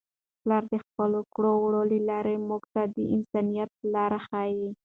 پلار د خپلو کړو وړو له لارې موږ ته د انسانیت لار ښيي.